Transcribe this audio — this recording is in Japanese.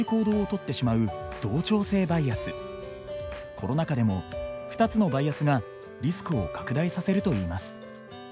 コロナ禍でも２つのバイアスがリスクを拡大させるといいます。